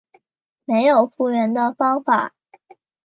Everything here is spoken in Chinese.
没有复原的方法